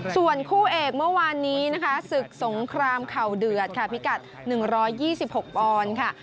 ส่วนคู่เอกเมื่อวานนี้นะคะศึกสงครามเข่าเดือดค่ะพิกัด๑๒๖ปอนด์ค่ะ